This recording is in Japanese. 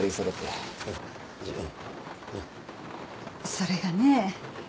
それがねぇ。